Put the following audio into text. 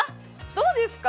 どうですか？